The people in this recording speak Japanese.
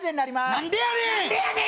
「何でやねん」